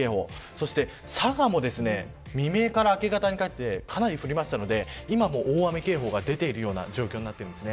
そして、佐賀も未明から明け方にかけてかなり降りましたので今も大雨警報が出ている状況です。